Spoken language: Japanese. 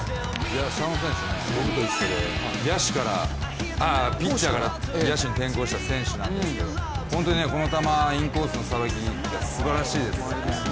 佐野選手、僕と一緒でピッチャーから野手に転向した選手なんですけど本当にこの球、インコースのさばきすばらしいですね。